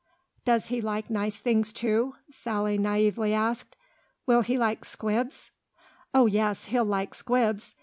"Does he like nice things too?" Sally naïvely asked. "Will he like 'Squibs'?" "Oh, yes, he'll like 'Squibs.